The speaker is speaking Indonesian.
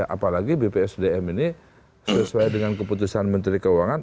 apalagi bpsdm ini sesuai dengan keputusan menteri keuangan